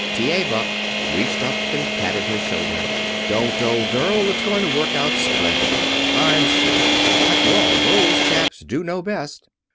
T.A. Buck reached up and patted her shoulder. "Don't, old girl! It's going to work out splendidly, I'm sure. After all, those chaps do know best."